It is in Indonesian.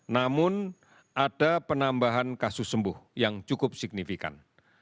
namun ada penambahan kasus sembuh yang cukup signifikan